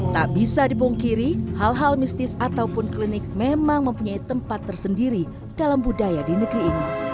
tak bisa dipungkiri hal hal mistis ataupun klinik memang mempunyai tempat tersendiri dalam budaya di negeri ini